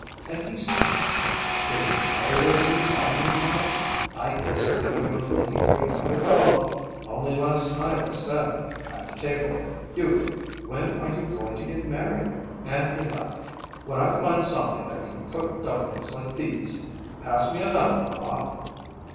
And he says, 'Getting tired of me, are you, Ma? I guess maybe you're looking for a younger fellow.' Only last night I said, at the table, 'Hugo, when are you going to get married?' And he laughed. 'When I find somebody that can cook dumplings like these. Pass me another, Ma'."